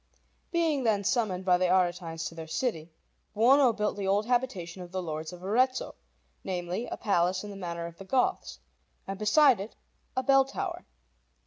Being then summoned by the Aretines to their city, Buono built the old habitation of the Lords of Arezzo, namely, a palace in the manner of the Goths, and beside it a bell tower.